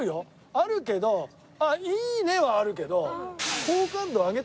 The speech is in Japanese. あるけど「あっいいね」はあるけど。